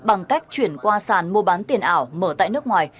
bằng cách chuyển qua sàn mua bán tiền ảo mở tại nước ngoài